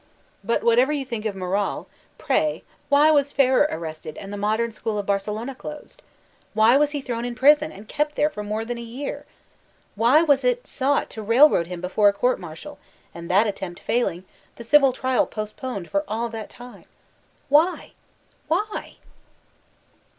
But whatever you think of Morral, pray why was Ferrer arrested and the Modem School of Barcelona closed? Why was he thrown in prison and kept there for more than a year? Why was it sought to railroad him before a G>urt Mar tial, and that attempt failing, the dvil trial postponed for all that time? Why? Why?